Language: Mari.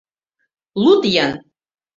Луд-ян!